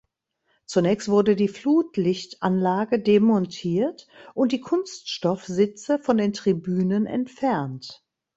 Zunächst wurde die Flutlichtanlage demontiert und die Kunststoffsitze von den Tribünen entfernt.